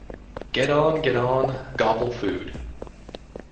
Get on, get on, gobble food!